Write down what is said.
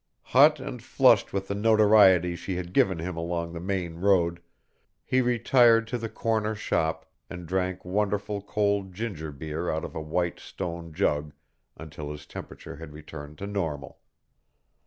Hot and flushed with the notoriety she had given him along the main road, he retired to the corner shop and drank wonderful cold ginger beer out of a white stone jug until his temperature had returned to normal.